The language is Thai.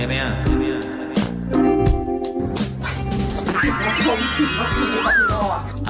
สิบนาที